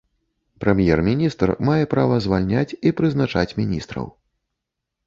Прэм'ер-міністр мае права звальняць і прызначаць міністраў.